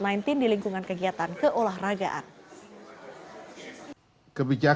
yang akan dihubungkan oleh kementerian kesehatan dunia dan who